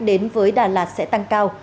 đến với đà lạt sẽ tăng cao